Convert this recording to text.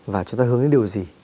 và chúng ta hướng đến điều gì